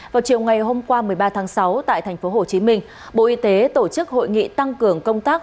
vào chiều ngày hôm qua một mươi ba tháng sáu tại tp hcm bộ y tế tổ chức hội nghị tăng cường công tác